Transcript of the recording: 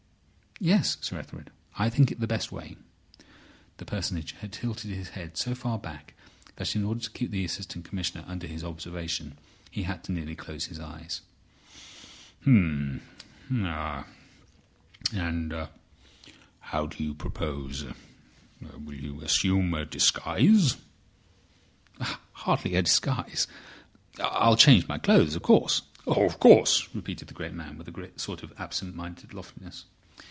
"Yes, Sir Ethelred. I think it the best way." The Personage had tilted his head so far back that, in order to keep the Assistant Commissioner under his observation, he had to nearly close his eyes. "H'm. Ha! And how do you propose—Will you assume a disguise?" "Hardly a disguise! I'll change my clothes, of course." "Of course," repeated the great man, with a sort of absent minded loftiness.